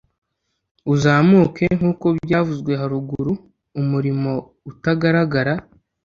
uzamuke, nkuko byavuzwe haruguru umuriro utagaragara